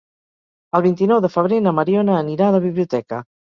El vint-i-nou de febrer na Mariona anirà a la biblioteca.